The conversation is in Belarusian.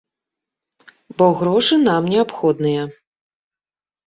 Бо грошы нам неабходныя.